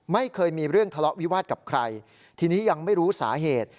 ไม่เคยมีเรื่องทะเลาะวิวาสกับใครทีนี้ยังไม่รู้สาเหตุ